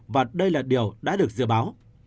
và đây là điều đã được dự báo